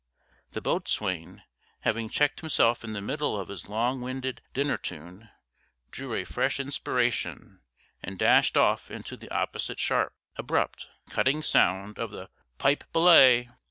The boatswain, having checked himself in the middle of his long winded dinner tune, drew a fresh inspiration, and dashed off into the opposite sharp, abrupt, cutting sound of the "Pipe belay!"